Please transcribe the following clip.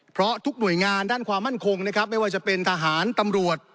เพราะทุกหน่วยงานด้านความมั่นคงนะครับไม่ว่าจะเป็นทหารตำรวจ